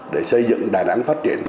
để xây dựng đà nẵng phát triển